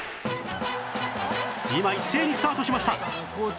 今一斉にスタートしました